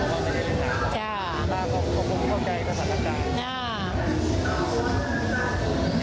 ผมเข้าใจสถานการณ์